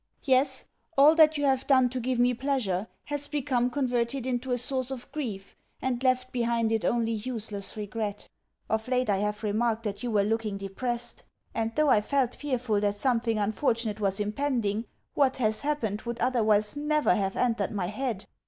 Yes, all that you have done to give me pleasure has become converted into a source of grief, and left behind it only useless regret. Of late I have remarked that you were looking depressed; and though I felt fearful that something unfortunate was impending, what has happened would otherwise never have entered my head.